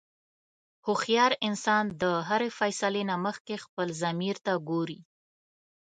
هوښیار انسان د هرې فیصلې نه مخکې خپل ضمیر ته ګوري.